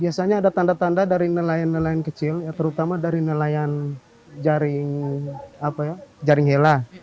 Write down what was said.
biasanya ada tanda tanda dari nelayan nelayan kecil terutama dari nelayan jaring hela